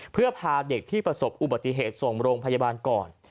เพื่อพาเด็กที่ประสบอุบัติเหตุส่งโรงพยาบาลก่อน